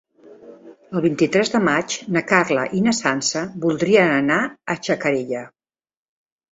El vint-i-tres de maig na Carla i na Sança voldrien anar a Xacarella.